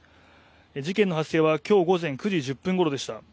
事件の発生は今日午前９時１０分ごろでした。